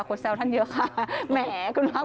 คนแซวท่านเยอะค่ะแหมคุณพระผู้